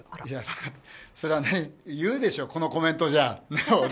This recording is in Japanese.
いや、それはね言うでしょ、このコメントじゃ。